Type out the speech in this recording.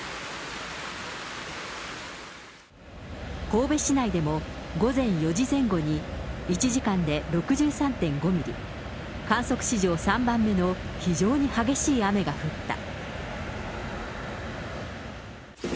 神戸市内でも午前４時前後に、１時間で６３．５ミリ、観測史上３番目の非常に激しい雨が降った。